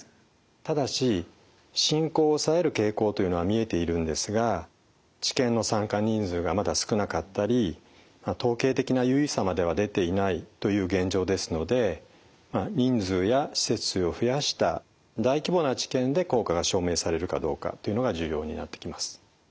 ただし進行を抑える傾向というのは見えているんですが治験の参加人数がまだ少なかったり統計的な有意差までは出ていないという現状ですので人数や施設数を増やした大規模な治験で効果が証明されるかどうかというのが重要になってきます。